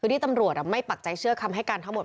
คือที่ตำรวจไม่ปักใจเชื่อคำให้การทั้งหมด